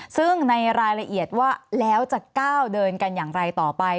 ซึ่งในรายละเอียดว่าแล้วจะก้าวเดินกันอย่างไรต่อไป